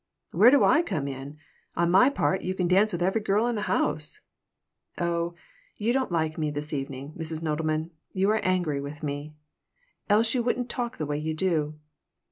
"Where do I come in? On my part, you can dance with every girl in the house." "Oh, you don't like me this evening, Mrs. Nodelman. You are angry witn me. Else you wouldn't talk the way you do."